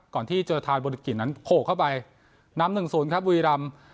ก่อนที่จุดทางบริกิจนั้นโขลเข้าไปนำหนึ่งศูนย์ครับบุรีรำ